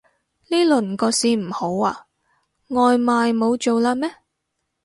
呢輪個市唔好啊？外賣冇做喇咩